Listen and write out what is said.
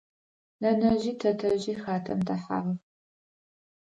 Нэнэжъи тэтэжъи хатэм дэхьагъэх.